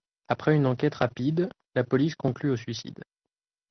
Après une enquête rapide, la police conclut au suicide.